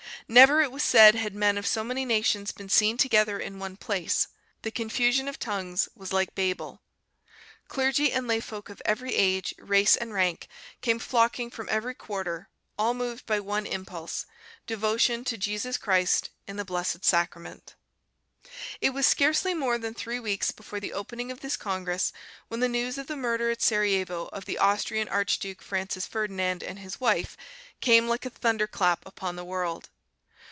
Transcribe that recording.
Never, it was said, had men of so many nations been seen together in one place; the confusion of tongues was like Babel. Clergy and lay folk of every age, rank and race came flocking from every quarter, all moved by one impulse devotion to Jesus Christ in the Blessed Sacrament. It was scarcely more than three weeks before the opening of this congress when the news of the murder at Serajevo of the Austrian Archduke Francis Ferdinand and his wife came like a thunder clap upon the world.